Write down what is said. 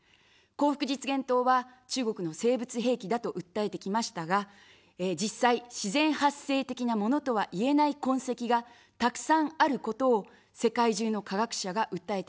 幸福実現党は中国の生物兵器だと訴えてきましたが、実際、自然発生的なものとは言えない痕跡がたくさんあることを世界中の科学者が訴えています。